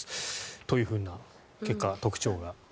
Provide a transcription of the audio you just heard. というふうな結果、特徴が。